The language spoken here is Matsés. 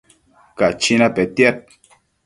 Cachina petiad